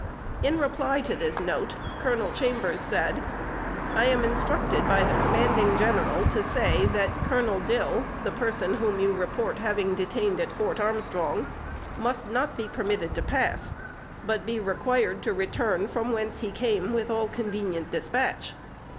In reply to this note Colonel Chambers said: "I am instructed by the commanding General to say, that 'Colonel Dill,' the person whom you report having detained at Fort Armstrong, must not be permitted to pass, but be required to return from whence he came with all convenient dispatch.